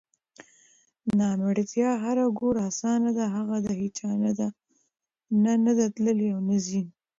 نامېړتیا هر ګوره اسانه ده هغه د هیچا نه نده تللې اونه ځي